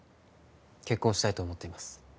結婚したいと思っています